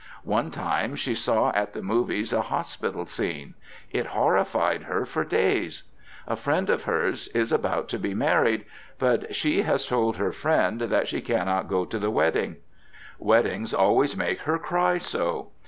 One time she saw at the movies a hospital scene. It horrified her for days. A friend of hers is about to be married. But she has told her friend that she cannot go to the wedding. Weddings always make her cry so.